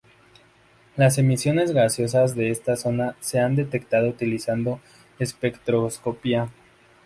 Las emisiones gaseosas de esta zona se han detectado utilizando espectroscopía.